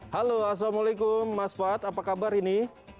halo assalamualaikum mas fad apa kabar ini